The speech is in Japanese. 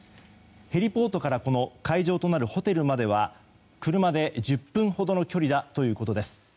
ヘリポートから会場となるホテルまでは車で１０分ほどの距離だということです。